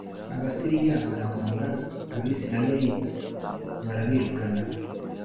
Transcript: Abasiriya barahunga, Abisirayeli barabirukana